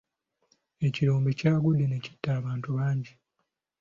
Ekirombe kyagudde ne kitta abantu bangi.